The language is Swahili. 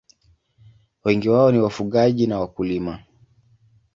Wengi wao ni wafugaji na wakulima.